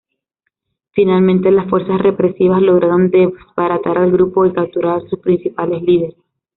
Finalmente las fuerzas represivas lograron desbaratar al grupo y capturar a sus principales líderes.